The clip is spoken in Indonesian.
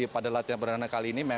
pada latihan perdana kali ini